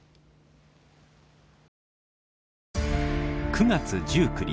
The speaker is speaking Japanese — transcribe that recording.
９月１９日。